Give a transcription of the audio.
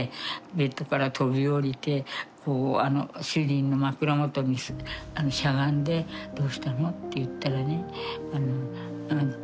でベッドから飛び降りて主人の枕元にしゃがんで「どうしたの」って言ったらね。